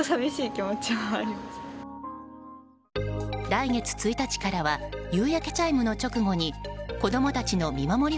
来月１日からは夕焼けチャイムの直後に子供たちの見守り